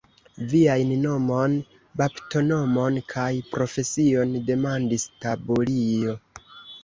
Viajn nomon, baptonomon kaj profesion, demandis Taburio.